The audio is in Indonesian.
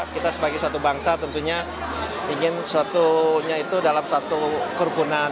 kita sebagai suatu bangsa tentunya ingin suatunya itu dalam suatu kerukunan